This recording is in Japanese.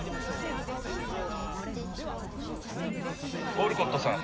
オルコットさん